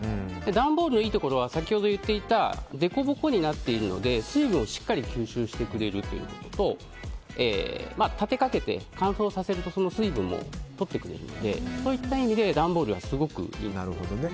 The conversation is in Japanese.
段ボールのいいところは先ほど言っていた凸凹になっているので、水分をしっかり吸収してくれることと立てかけて乾燥するとその水分もとってくれるのでそういった意味で段ボールはすごくいいなと。